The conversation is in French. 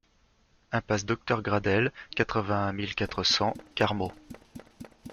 Impasse Docteur Gradels, quatre-vingt-un mille quatre cents Carmaux